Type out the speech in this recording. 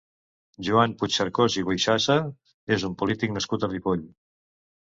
Joan Puigcercós i Boixassa és un polític nascut a Ripoll.